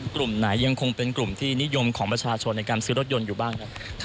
กลุ่มไหนยังคงเป็นกลุ่มที่นิยมของประชาชนในการซื้อรถยนต์อยู่บ้างครับ